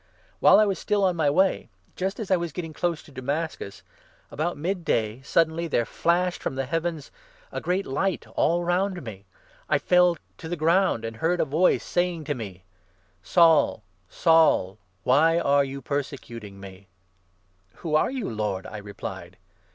While I was 6 still on my way, just as I was getting close to Damascus, about mid day, suddenly there flashed from the heavens a great light all round me. I fell to the ground, and heard a 7 voice saying to me ' Saul, Saul, why are you persecuting me ?'' Who are you, Lord ?' I replied.